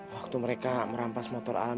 waktu mereka merampas motor alam